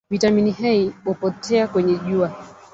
viatamini A hupotea kwenye jua